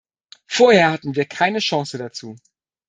Vorher hatten wir keine Chance dazu.